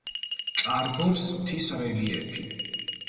ჭარბობს მთის რელიეფი.